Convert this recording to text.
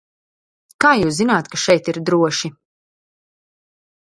Kā jūs zināt, ka šeit ir droši?